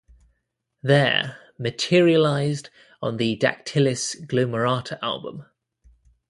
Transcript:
There, materialised on the "Dactylis Glomerata" album.